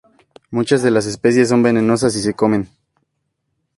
Muchas de las especies son venenosas si se comen.